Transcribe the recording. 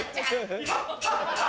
ハハハ！